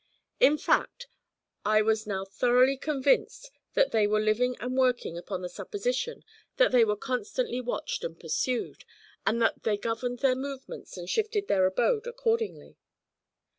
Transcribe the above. In fact, I was now thoroughly convinced that they were living and working upon the supposition that they were constantly watched and pursued, and that they governed their movements and shifted their abode accordingly.